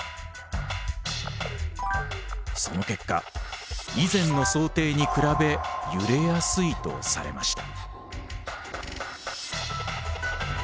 その結果以前の想定に比べ揺れやすいとされました。